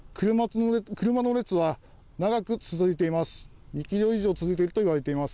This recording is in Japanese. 車の列は長く続いています。